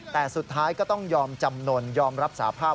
แต่สุดท้ายก็ต้องยอมจำนวนยอมรับสาภาพ